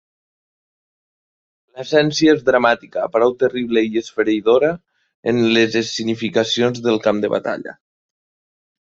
L'essència és dramàtica, prou terrible i esfereïdora en les escenificacions del camp de batalla.